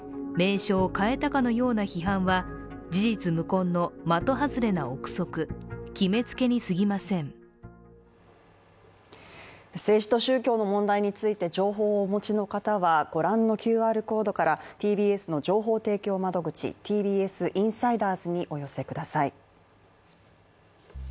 一方、旧統一教会は政治と宗教の問題について情報をお持ちの方はご覧のＱＲコードからＴＢＳの情報提供窓口、ＴＢＳインサイダーズにお寄せください。